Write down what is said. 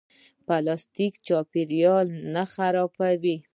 پلاستیک چاپیریال نه خرابوي